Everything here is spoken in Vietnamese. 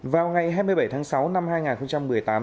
vào ngày hai mươi bảy tháng sáu năm hai nghìn một mươi tám